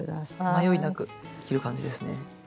迷いなく切る感じですね。